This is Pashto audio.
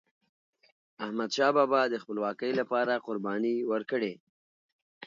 احمدشاه بابا د خپلواکی لپاره قرباني ورکړې.